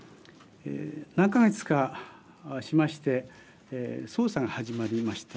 何か月かしまして捜査が始まりました。